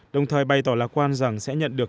đồng thời bày tỏ lạc quan rằng sẽ nhận được